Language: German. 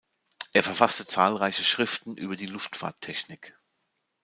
Er verfasste zahlreiche Schriften über die Luftfahrttechnik.